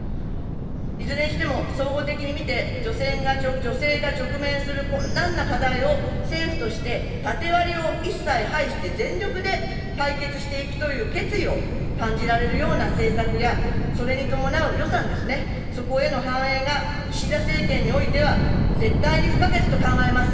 いずれにしても総合的に見て、女性が直面する困難な課題を、政府として、縦割りを一切排して全力で解決していくという決意を、感じられるような政策や、それに伴う予算ですね、そこへの反映が、岸田政権においては、絶対に不可欠と考えます。